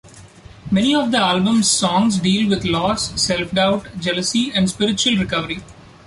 Many of the album's songs deal with loss, self-doubt, jealousy, and spiritual recovery.